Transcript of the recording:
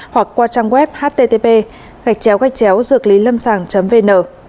hoặc qua trang web http dượclýlâmsang vn